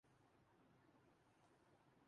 فنی خوبیوں کا مرقع کہا جاتا ہے